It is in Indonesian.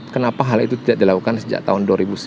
kenapa hal itu tidak dilakukan sejak tahun dua ribu sembilan